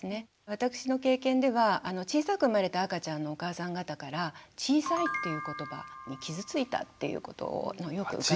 私の経験では小さく生まれた赤ちゃんのお母さん方から「小さい」っていう言葉に傷ついたっていうことをよく伺うんです。